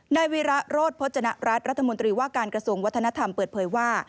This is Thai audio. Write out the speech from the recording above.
นายวิระโรธพจนรัฐรัฐรัฐมนตรีว่าการกระทรวงวัฒนธรรมเปิดเผยว่า